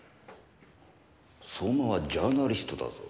相馬はジャーナリストだぞ。